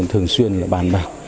thường xuyên bàn bạc